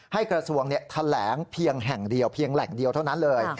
กระทรวงแถลงเพียงแห่งเดียวเพียงแหล่งเดียวเท่านั้นเลย